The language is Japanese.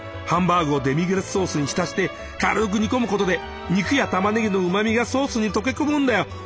ハンバーグをデミグラスソースにひたして軽く煮込むことで肉やたまねぎのうまみがソースに溶け込むんだよ。